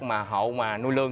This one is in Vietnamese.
mà hộ mà nuôi lương